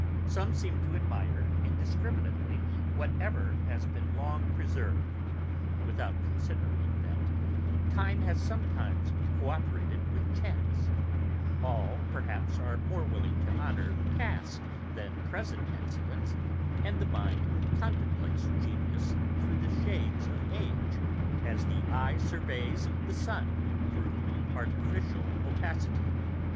Some seem to admire indiscriminately whatever has been long preserved, without considering that time has sometimes co operated with chance; all perhaps are more willing to honour past than present excellence; and the mind contemplates genius through the shades of age, as the eye surveys the sun through artificial opacity.